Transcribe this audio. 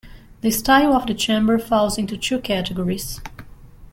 The style of the chamber falls into two categories.